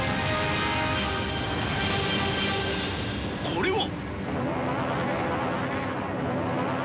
これは。